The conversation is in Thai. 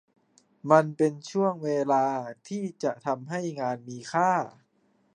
มันเป็นช่วงเวลาที่จะทำให้งานมีค่า